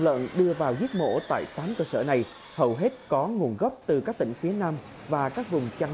lợn đưa vào giết mổ tại tám cơ sở này hầu hết có nguồn gốc từ các tỉnh phía nam và các vùng chăn